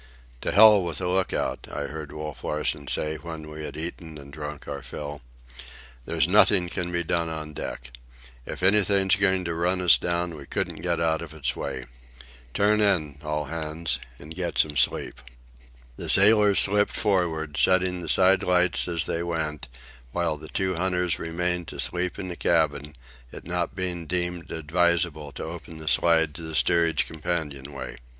"To hell with a look out," I heard Wolf Larsen say when we had eaten and drunk our fill. "There's nothing can be done on deck. If anything's going to run us down we couldn't get out of its way. Turn in, all hands, and get some sleep." The sailors slipped forward, setting the side lights as they went, while the two hunters remained to sleep in the cabin, it not being deemed advisable to open the slide to the steerage companion way.